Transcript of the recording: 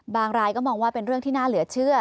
รายก็มองว่าเป็นเรื่องที่น่าเหลือเชื่อ